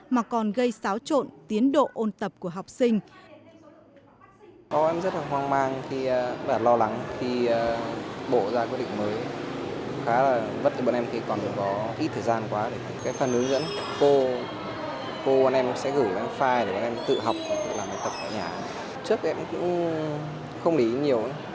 mà còn gây xáo trộn tiến độ ôn tập của học sinh